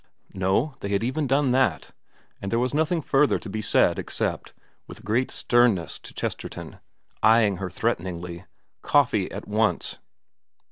No, they had even done that ; and there was nothing further to be said except, with great sternness to Chesterton, eyeing her threaten ingly, ' Coffee at once.'